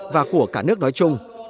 và của cả nước nói chung